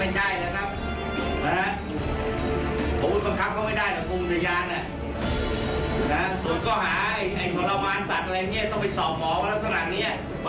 ฉะนั้นจะมาล่าชายที่ตำรวจพี่แจ้งให้ทราบว่าไม่ใช่แล้ว